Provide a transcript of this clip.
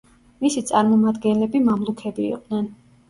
მისი წარმომადგენლები მამლუქები იყვნენ.